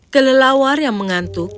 kelelawar yang mengantuk